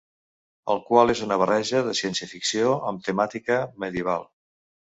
El qual és una barreja de ciència-ficció amb temàtica medieval.